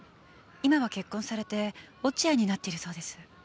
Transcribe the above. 今は結婚されて落合になっているそうです。